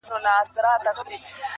ماته مي قسمت له خپلي ژبي اور لیکلی دی٫